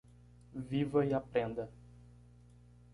Viva e aprenda.